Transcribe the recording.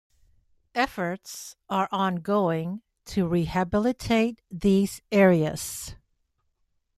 Efforts are ongoing to rehabilitate these areas.